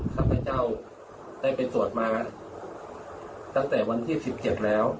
ข้าพเจ้าได้ไปสวดมาตั้งแต่วันที่๑๗แล้ว